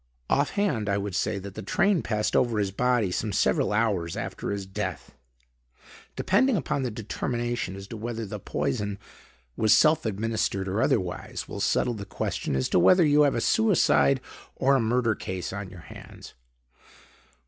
Offhand, I would say that the train passed over his body some several hours after his death. Depending upon the determination as to whether the poison was self administered or otherwise, will settle the question as to whether you have a suicide or a murder case on your hands."